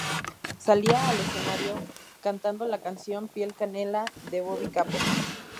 Salía al escenario cantando la canción "Piel Canela" de Bobby Capó.